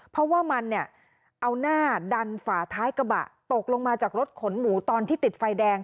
เพราะว่ามันเนี่ยเอาหน้าดันฝาท้ายกระบะตกลงมาจากรถขนหมูตอนที่ติดไฟแดง